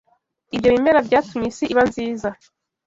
Ibyo bimera byatumye isi iba nziza